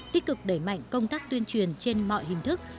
tích cực đẩy mạnh công tác tuyên truyền trên mọi hình thức